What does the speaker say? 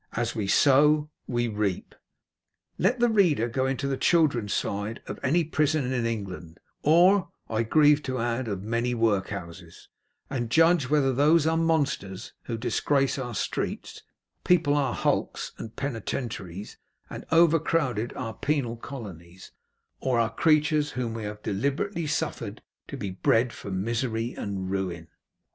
As we sow, we reap. Let the reader go into the children's side of any prison in England, or, I grieve to add, of many workhouses, and judge whether those are monsters who disgrace our streets, people our hulks and penitentiaries, and overcrowd our penal colonies, or are creatures whom we have deliberately suffered to be bred for misery and ruin.